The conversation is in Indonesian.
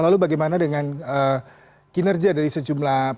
lalu bagaimana dengan kinerja dari sejumlah